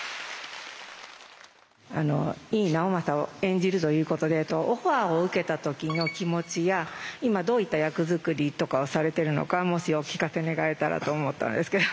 井伊直政を演じるということでオファーを受けた時の気持ちや今どういった役作りとかをされてるのかもしお聞かせ願えたらと思ったんですけど。